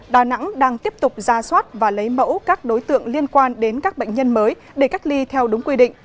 đà nẵng đang tiếp tục ra soát và lấy mẫu các đối tượng liên quan đến các bệnh nhân mới để cách ly theo đúng quy định